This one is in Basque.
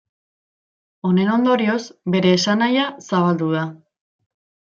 Honen ondorioz bere esan nahia zabaldu da.